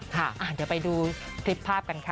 ค่ะเดี๋ยวไปดูคลิปภาพกันค่ะ